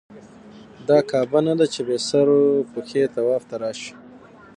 دا کعبه نه ده چې بې سر و پښې طواف ته راشې.